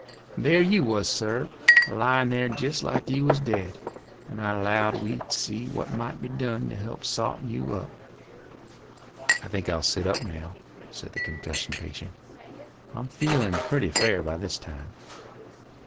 And there you was, sir, a lyin' there jest like you was dead, and I 'lowed we'd see what might be done to help sot you up." "I think I'll sit up now," said the concussion patient. "I'm feeling pretty fair by this time."